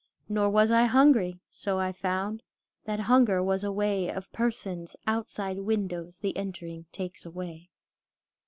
Nor was I hungry; so I found That hunger was a way Of persons outside windows, The entering takes away.